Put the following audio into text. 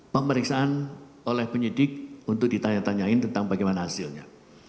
pemeriksaan oleh penyidik untuk ditanya tanyain tentang bagaimana hasilnya